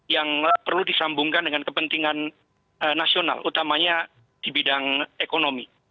yang perlu disambungkan dengan kepentingan nasional utamanya di bidang ekonomi